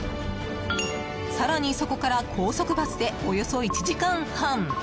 更に、そこから高速バスでおよそ１時間半。